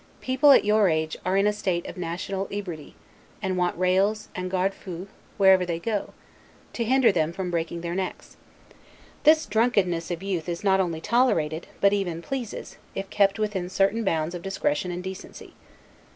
People at your age are in a state of natural ebriety; and want rails, and 'gardefous', wherever they go, to hinder them from breaking their necks. This drunkenness of youth is not only tolerated, but even pleases, if kept within certain bounds of discretion and decency.